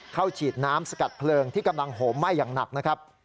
ฉีดน้ำสกัดเพลิงที่กำลังโหมไหม้อย่างหนักนะครับ